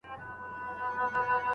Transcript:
دوړدوړکي بيخي ډېري دي .